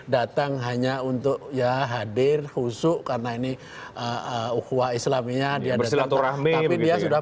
datang hanya untuk yah hadir kusuk karena ini uhwa islaminya dia bersilaturahmih dia sudah